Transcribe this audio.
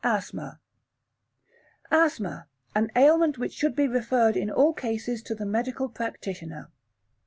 Asthma Asthma, an ailment which should be referred in all cases to the medical practitioner.